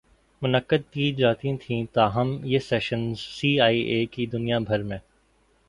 منعقد کی جاتی تھیں تاہم یہ سیشنز سی آئی اے کی دنیا بھر می